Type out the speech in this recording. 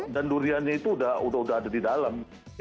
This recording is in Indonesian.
dan duriannya itu sudah ada di dalam